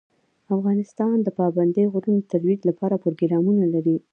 افغانستان د پابندی غرونه د ترویج لپاره پروګرامونه لري.